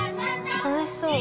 楽しそう。